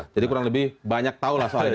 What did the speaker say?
jadi kurang lebih banyak tahu lah soalnya